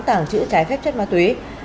tảng chữ trái phép chất ma túy